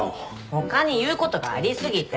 他に言うことがあり過ぎて。